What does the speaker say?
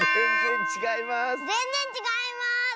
ぜんぜんちがいます。